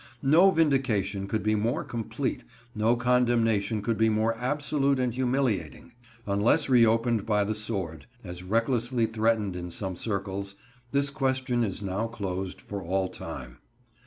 No vindication could be more complete, no condemnation could be more absolute and humiliating. Unless reopened by the sword, as recklessly threatened in some circles, this question is now closed for all time.